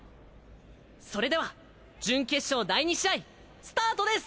それでは準決勝第２試合スタートです！